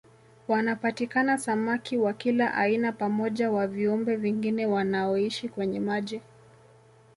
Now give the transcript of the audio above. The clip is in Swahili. Wanapatikana samaki wa kila aina pamoja wa viumbe vingine wanaoishi kwenye maji